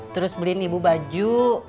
terus beliin ibu baju